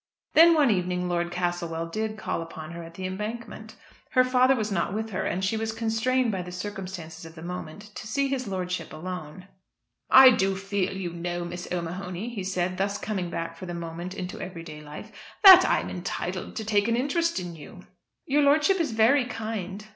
Then one evening Lord Castlewell did call upon her at "The Embankment." Her father was not with her, and she was constrained by the circumstances of the moment to see his lordship alone. "I do feel, you know, Miss O'Mahony," he said, thus coming back for the moment into everyday life, "that I am entitled to take an interest in you." "Your lordship is very kind."